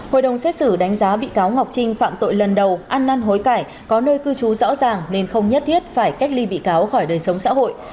hội đồng xét xử đánh giá bị cáo ngọc trinh phạm tội lần đầu ăn năn hối cải có nơi cư trú rõ ràng nên không nhất thiết phải cách ly bị cáo khỏi đời sống xã hội